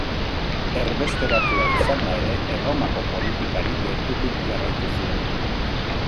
Erbesteratua izanda ere, Erromako politikari gertutik jarraitu zion.